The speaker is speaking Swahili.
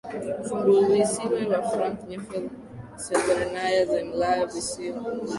Funguvisiwa ya Franz Josef Severnaya Zemlya Visiwa